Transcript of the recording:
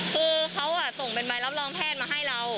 คือเขาส่งเป็นใบรับรองแพทย์มาให้เรา